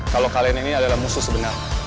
kalau kalian ini adalah musuh sebenarnya